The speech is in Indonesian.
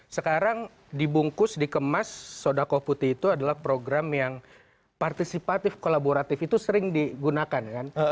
sekarang dibungkus dikemas sodakoh putih itu adalah program yang partisipatif kolaboratif itu sering digunakan kan